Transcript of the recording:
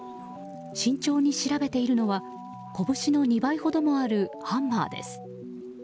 慎重に調べているのは拳の２倍ほどもあるハンマーです。